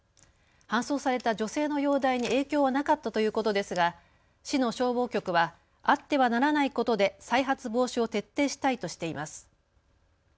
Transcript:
搬送された女性の容体に影響はなかったということですが市の消防局はあってはならないことで再発防止を徹底したいとしています。